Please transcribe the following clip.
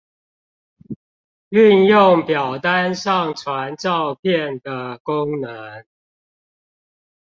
運用表單上傳照片的功能